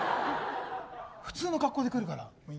普通の格好で来るから。